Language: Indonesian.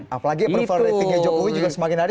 apalagi preferensinya jokowi juga semakin hari